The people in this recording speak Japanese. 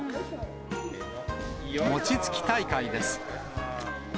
餅つき大会です。